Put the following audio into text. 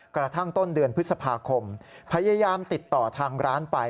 กระทั่งต้นเดือนพฤษภาคมพยายามติดต่อทางร้านไป